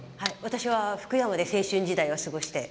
私は、福山で青春時代を過ごして。